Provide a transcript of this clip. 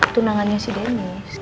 tunangannya si dennis